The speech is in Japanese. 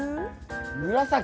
紫。